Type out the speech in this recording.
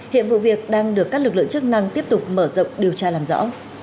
hiện vụ việc đang được các lực lượng chức năng tiếp tục mở rộng điều tra làm rõ